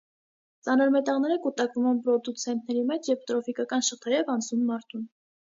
Ծանր մետաղները կուտակվում են պրոդուցենտների մեջ և տրոֆիկական շղթայով անցնում մարդուն։